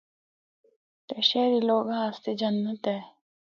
تے شہری لوگاں آسطے جنّت اے۔